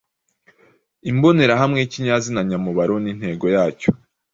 Imbonerahamwe y’ikinyazina nyamubaro n’intego yacyo